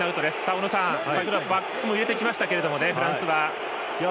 大野さん、先程はバックスも入れてきましたフランスは。